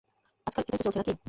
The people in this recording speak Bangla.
আজকাল এটাই তো চলছে নাকি?